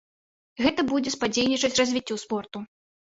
Гэта будзе садзейнічаць развіццю спорту.